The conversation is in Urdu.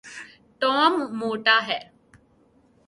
ٹام موٹا ہے